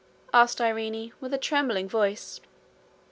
asked Irene, with a trembling voice.